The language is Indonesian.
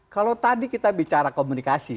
kalau tadi kita bicara komunikasi